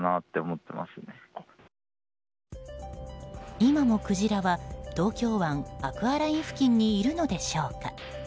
今もクジラは東京湾アクアライン付近にいるのでしょうか。